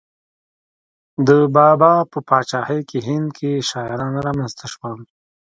د بابا په پاچاهۍ کې هند کې شاعران را منځته شول.